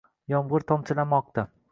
Yomg’ir tomchilamoqda